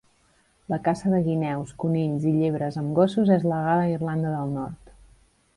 La caça de guineus, conills i llebres amb gossos és legal a Irlanda del Nord.